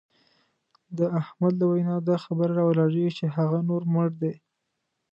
د احمد له وینا دا خبره را ولاړېږي چې هغه نور مړ دی.